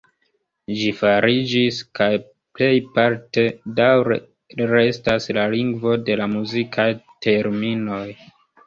Ĝi fariĝis kaj plejparte daŭre restas la lingvo de la muzikaj terminoj.